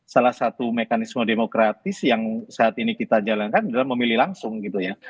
salah satu mekanisme demokratis yang saat ini kita jalankan adalah memilih langsung gitu ya